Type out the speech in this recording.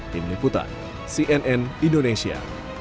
tim liputan cnn indonesia